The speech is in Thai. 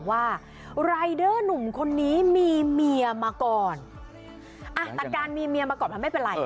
ว่ารายเดอร์หนุ่มคนนี้มีเมียมาก่อนอ่ะแต่การมีเมียมาก่อนมันไม่เป็นไร